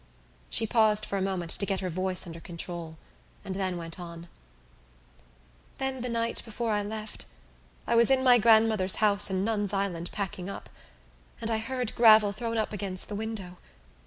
She paused for a moment to get her voice under control and then went on: "Then the night before I left I was in my grandmother's house in Nuns' Island, packing up, and I heard gravel thrown up against the window.